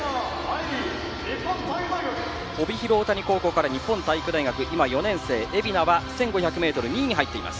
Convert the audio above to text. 帯広大谷高校から日本体育大学４年生、蝦名は１５００ｍ、２位に入っています。